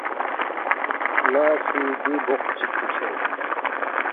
ن٘ا سی دی بوق چِک پو کھیرید